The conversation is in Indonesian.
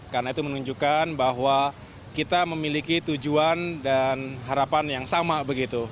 karena itu menunjukkan bahwa kita memiliki tujuan dan harapan yang sama begitu